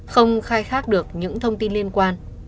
không khai khác được những thông tin liên quan